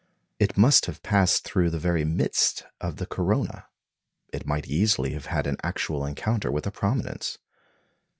It must have passed through the very midst of the corona. It might easily have had an actual encounter with a prominence.